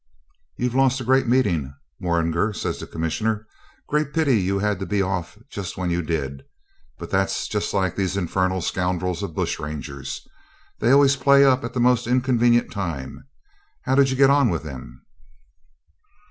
'You've lost a great meeting, Morringer,' says the Commissioner. 'Great pity you had to be off just when you did. But that's just like these infernal scoundrels of bush rangers. They always play up at the most inconvenient time. How did you get on with them?'